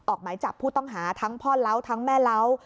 หมายจับผู้ต้องหาทั้งพ่อเล้าทั้งแม่เล้า